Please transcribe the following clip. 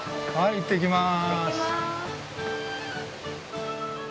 行ってきます。